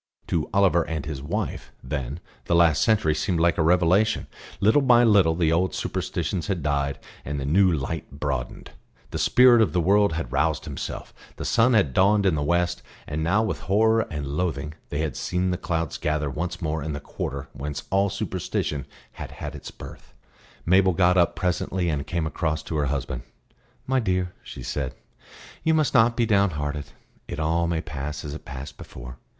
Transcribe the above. To Oliver and his wife, then, the last century seemed like a revelation; little by little the old superstitions had died, and the new light broadened; the Spirit of the World had roused Himself, the sun had dawned in the west; and now with horror and loathing they had seen the clouds gather once more in the quarter whence all superstition had had its birth. Mabel got up presently and came across to her husband. "My dear," she said, "you must not be downhearted. It all may pass as it passed before.